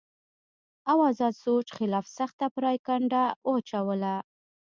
او ازاد سوچ خلاف سخته پراپېګنډه اوچلوله